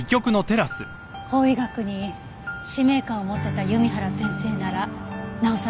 法医学に使命感を持ってた弓原先生ならなおさらですね。